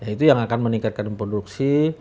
itu yang akan meningkatkan produksi